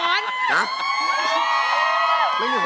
ไม่มีผล